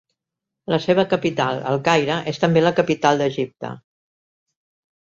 La seva capital, el Caire, és també la capital d'Egipte.